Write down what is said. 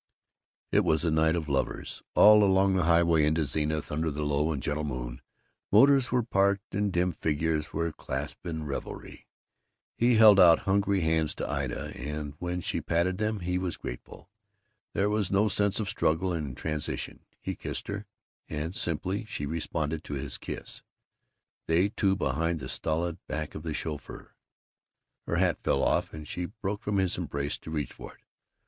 It was a night of lovers. All along the highway into Zenith, under the low and gentle moon, motors were parked and dim figures were clasped in revery. He held out hungry hands to Ida, and when she patted them he was grateful. There was no sense of struggle and transition; he kissed her and simply she responded to his kiss, they two behind the stolid back of the chauffeur. Her hat fell off, and she broke from his embrace to reach for it.